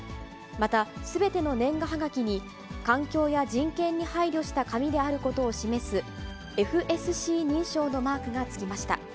またすべての年賀はがきに環境や人権に配慮した紙であることを示す、ＦＳＣ認証のマークがつきました。